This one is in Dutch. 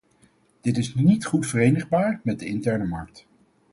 Dit is niet goed verenigbaar met de interne markt.